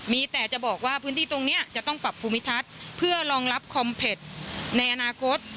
มีแต่จะบอกว่าพื้นที่ตรงนี้จะต้องปรับภูมิทัศน์เพื่อรองรับคอมเผ็ดในอนาคต